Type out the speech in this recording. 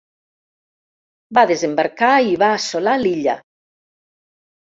Va desembarcar i va assolar l'illa.